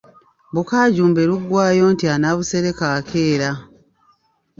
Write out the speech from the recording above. Bukaajumbe luggwaayo nti anaabusereka akeera.